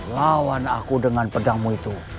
lawan aku dengan pedangmu itu